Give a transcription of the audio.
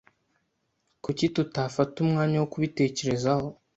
Kuki tutafata umwanya wo kubitekerezaho?